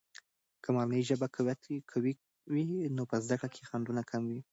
که مورنۍ ژبه قوية وي، نو په زده کړه کې خنډونه کم وي.